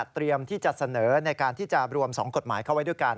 เตรียมที่จะเสนอในการที่จะรวม๒กฎหมายเข้าไว้ด้วยกัน